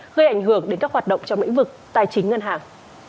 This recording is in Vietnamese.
gây ảnh hưởng đến các hoạt động trong lĩnh vực tài chính ngân hàng